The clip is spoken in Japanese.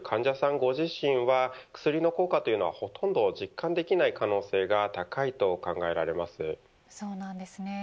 ご自身は薬の効果というのは、ほとんど実感できない可能性が高いとそうなんですね。